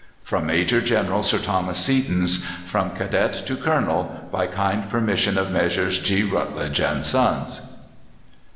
From Major General Sir Thomas Seaton's "From Cadet to Colonel." By kind permission of Messrs. G. Routledge and Sons.